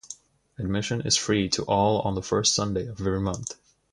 Admission is free to all on the first Sunday of every month.